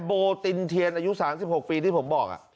โบตินเทียนอายุ๓๖ปีที่ผมบอก